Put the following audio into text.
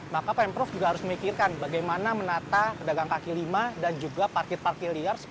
maka pemprovdk jakarta juga harus memikirkan bagaimana menata pedagang kaki lima dan juga parkir parkir liar seperti di belakang saya saat ini